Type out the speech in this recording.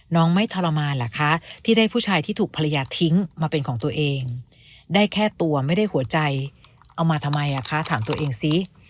ไม่ทรมานเหรอคะที่ได้ผู้ชายที่ถูกภรรยาทิ้งมาเป็นของตัวเองได้แค่ตัวไม่ได้หัวใจเอามาทำไมอ่ะคะถามตัวเองซิ